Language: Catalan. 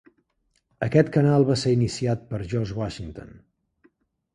Aquest canal va ser iniciat per George Washington.